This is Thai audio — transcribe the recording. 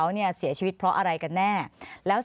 อันดับสุดท้ายแก่มือ